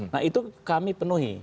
nah itu kami penuhi